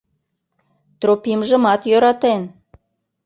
Тропимжымат йӧратен